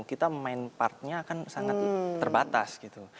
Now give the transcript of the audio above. kita memainkan partnya akan sangat terbatas gitu